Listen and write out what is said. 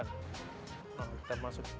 nah kita masuk